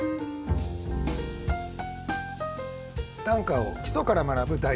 短歌を基礎から学ぶ